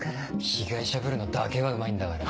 被害者ぶるのだけはうまいんだから。